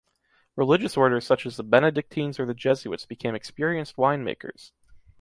Religious orders such as the Benedictines or the Jesuits became experienced winemakers.